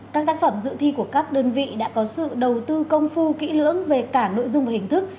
các tác phẩm dự thi của các đơn vị đã có sự đầu tư công phu kỹ lưỡng về cả nội dung và hình thức